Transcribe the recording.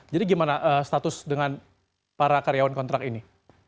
jadi gimana status dengan para karyawan kontrak ini